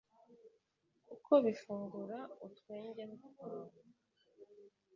kuko bifungura utwengehu twawe